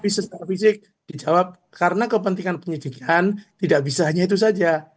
secara fisik dijawab karena kepentingan penyidikan tidak bisa hanya itu saja